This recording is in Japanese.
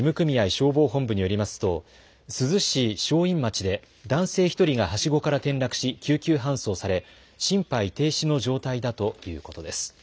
消防本部によりますと珠洲市正院町で男性１人がはしごから転落し救急搬送され心肺停止の状態だということです。